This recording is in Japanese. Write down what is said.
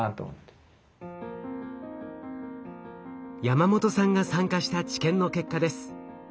ヤマモトさんが参加した治験の結果です。